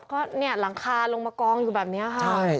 ก็เนี่ยหลังคาลงมากองอยู่แบบนี้ค่ะ